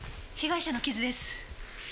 被害者の傷です。